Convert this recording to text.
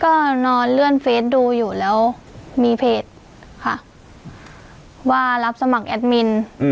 ก็นอนเลื่อนเฟสดูอยู่แล้วมีเพจค่ะว่ารับสมัครแอดมิน